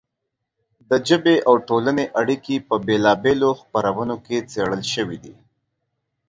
د ژبې او ټولنې اړیکې په بېلا بېلو خپرونو کې څېړل شوې دي.